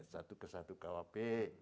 satu ke satu kwp